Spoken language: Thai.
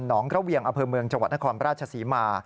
หนองกระเวียงอเภอเมืองจังหวัดนครพระราชสีมา